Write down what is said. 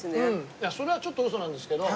いやそれはちょっとウソなんですけど。